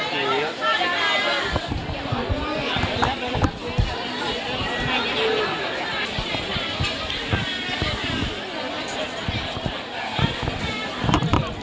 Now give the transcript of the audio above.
ที่โดยนี่เกี่ยวเว้นน้ำ